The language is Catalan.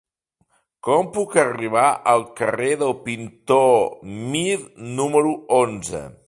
Com puc arribar al carrer del Pintor Mir número onze?